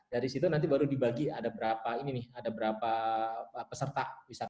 dari situ nanti baru dibagi ada berapa ini nih ada berapa peserta